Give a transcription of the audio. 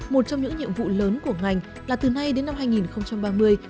một trong những nhiệm vụ lớn của ngành là từ nay đến năm hai nghìn ba mươi